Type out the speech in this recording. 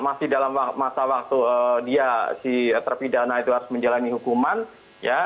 masih dalam masa waktu dia si terpidana itu harus menjalani hukuman ya